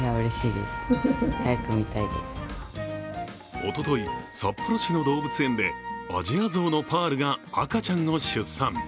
おととい、札幌市の動物園でアジアゾウのパールが赤ちゃんを出産。